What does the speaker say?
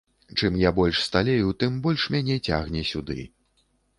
Чым я больш сталею, тым больш мяне цягне сюды.